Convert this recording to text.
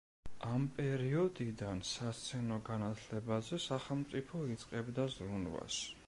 ამ პერიოდიდან სასცენო განათლებაზე სახელმწიფო იწყებდა ზრუნვას.